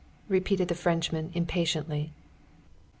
_" repeated the Frenchman impatiently.